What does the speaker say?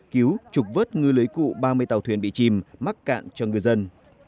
cứu trục vớt ngư lưới cụ ba mươi tàu thuyền bị chìm mắc cạn cho ngư dân